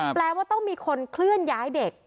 แปลว่าต้องมีคนเคลื่อนย้ายเด็ก